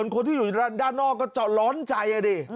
คนที่อยู่ด้านนอกก็จะร้อนใจอ่ะดิ